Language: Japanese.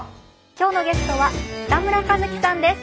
今日のゲストは北村一輝さんです。